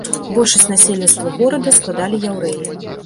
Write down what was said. Большасць насельніцтва горада складалі яўрэі.